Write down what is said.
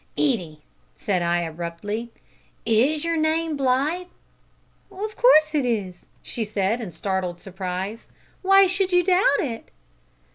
"Edie," said I abruptly, "is your name Blythe?" "Of course it is," she said, in startled surprise, "why should you doubt it?"